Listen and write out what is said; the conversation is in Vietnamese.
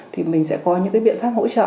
thì mình sẽ có những biện pháp hỗ trợ